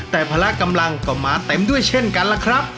แต่พละกำลังก็มาเต็มด้วยเช่นกันล่ะครับ